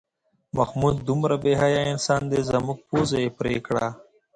محمود دومره بې حیا انسان دی زموږ پوزه یې پرې کړه.